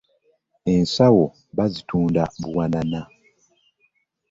Ensawo bazitunda buwanana.